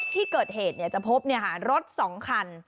ที่เกิดเหตุจะพบรถ๒คัน